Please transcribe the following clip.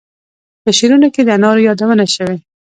په شعرونو کې د انارو یادونه شوې.